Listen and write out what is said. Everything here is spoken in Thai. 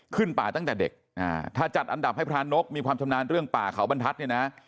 ป่าตั้งแต่เด็กถ้าจัดอันดับให้พระนกมีความชำนาญเรื่องป่าเขาบรรทัศน์เนี่ยนะ